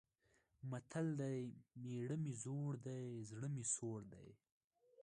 متل دی: مېړه مې زوړ دی، زړه مې سوړ دی.